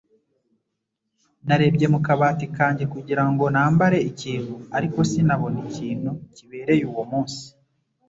Narebye mu kabati kanjye kugira ngo nambare ikintu, ariko sinabona ikintu kibereye uwo munsi.